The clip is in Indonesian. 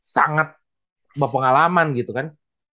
sangat berpengalaman gitu kan